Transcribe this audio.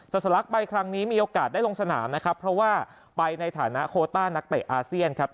สลักใบครั้งนี้มีโอกาสได้ลงสนามนะครับเพราะว่าไปในฐานะโคต้านักเตะอาเซียนครับ